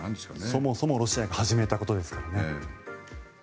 そもそもロシアが始めたことですからね。